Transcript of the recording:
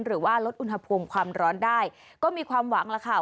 หรือว่าลดอุณหภูมิความร้อนได้ก็มีความหวังแล้วค่ะ